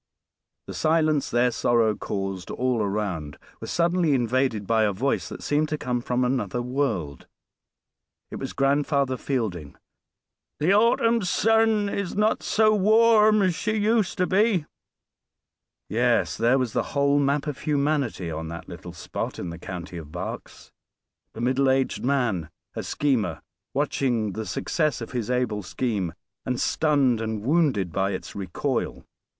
The silence their sorrow caused all around was suddenly invaded by a voice that seemed to come from another world it was Grandfather Fielding. "The autumn sun is not so warm as she used to be!" Yes, there was the whole map of humanity on that little spot in the county of Berks. The middle aged man, a schemer, watching the success of his able scheme, and stunned and wounded by its recoil.